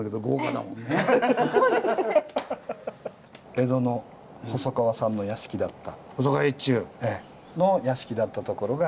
江戸の細川さんの屋敷だった。